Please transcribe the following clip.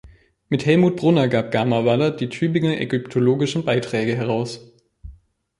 Mit Hellmut Brunner gab Gamer-Wallert die Tübinger ägyptologische Beiträge heraus.